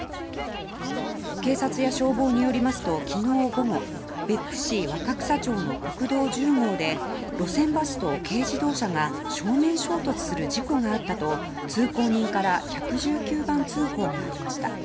警察や消防によりますと昨日午後別府市若草町の国道１０号で路線バスと軽自動車が正面衝突する事故があったと通行人から１１９番通報がありました。